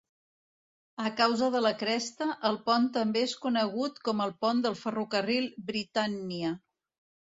A causa de la cresta, el pont també és conegut com el pont del ferrocarril Britannia.